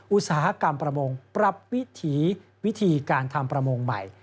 อุตสาหกรรมประมงปรับวิถีวิธีการทำประมงใหม่